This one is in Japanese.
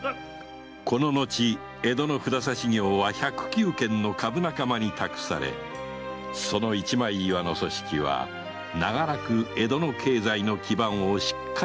この後江戸の札差業は百九軒の株仲間に託されその一枚岩の組織は長らく江戸の経済の基盤をしっかり支えていったのである